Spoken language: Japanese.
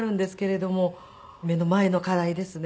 目の前の課題ですね。